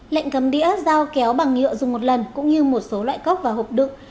lệnh cấm đĩa giao kéo bằng nhựa dùng một lần cũng như một số loại cốc và hộp đựng